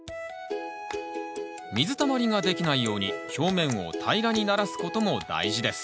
水たまりができないように表面を平らにならすことも大事です